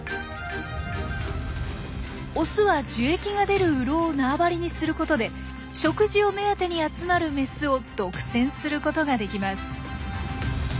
オスは樹液が出る洞をなわばりにすることで食事を目当てに集まるメスを独占することができます。